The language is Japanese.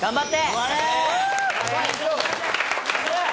頑張れ！